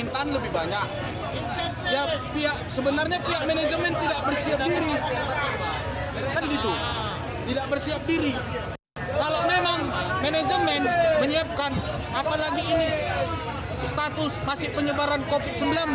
kalau memang manajemen menyiapkan apalagi ini status masih penyebaran covid sembilan belas